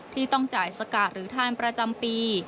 ที่ต้องจ่ายสกาดหรือทานประจำปี